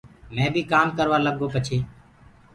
مي بيٚ ڪآم ڪروآ لگ گو پڇي